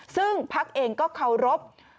ซึ่งพักเองก็เคารพ